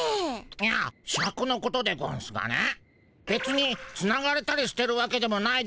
いやシャクのことでゴンスがねべつにつながれたりしてるわけでもないでゴンスし